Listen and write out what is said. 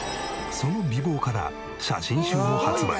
その美貌から写真集を発売。